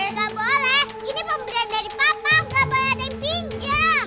gak boleh ini pemberian dari papa gak boleh ada yang pinjam